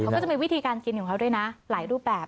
เขาก็จะมีวิธีการกินของเขาด้วยนะหลายรูปแบบ